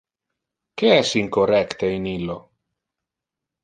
Que es incorrecte in illo?